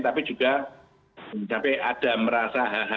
tapi juga sampai ada merasa ha ha